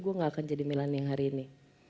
gue gak akan jadi milan yang hari ini